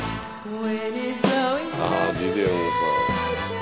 ああジュディ・オングさん。